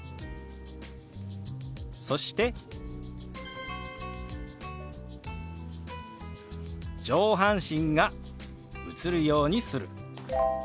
そして「上半身が映るようにする」。